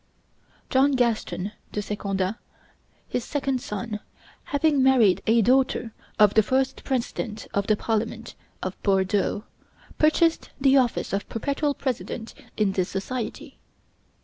John Gaston de Secondat, his second son, having married a daughter of the first president of the Parliament of Bordeaux, purchased the office of perpetual president in this society.